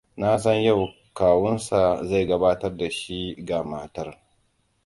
Na san yau kawunsa zai gabatar da shi ga matar.